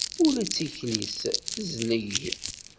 Ula d tikli-s tezleg.